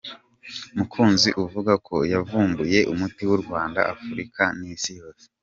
Mukunzi uvuga ko yavumbuye umuti w’u Rwanda, Afurika n’Isi yose.